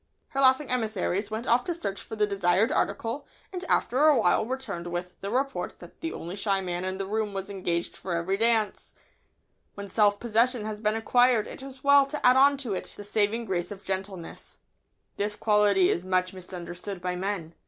Her laughing emissaries went off to search for the desired article, and after a while returned with the report that the only shy man in the room was engaged for every dance! [Sidenote: Add gentleness to self possession.] When self possession has been acquired it is well to add on to it the saving grace of gentleness. This quality is much misunderstood by men.